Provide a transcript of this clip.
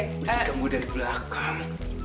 jadi kamu dari belakang